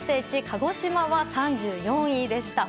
鹿児島は３４位でした。